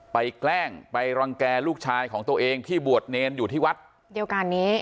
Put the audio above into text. แกล้งไปรังแก่ลูกชายของตัวเองที่บวชเนรอยู่ที่วัดเดียวกันนี้